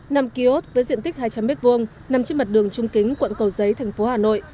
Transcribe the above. nằm ký ốt với diện tích hai trăm linh m hai nằm trên mặt đường trung kính quận cầu giấy thành phố hà nội